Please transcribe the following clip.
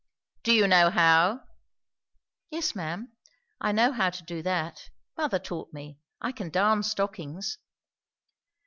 "Do you know how?" "Yes, ma'am, I know how to do that. Mother taught me. I can darn stockings."